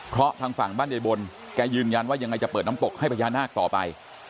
เพราะทางฝั่งบ้านยายบนแกยืนยันว่ายังไงจะเปิดน้ำตกให้พญานาคต่อไป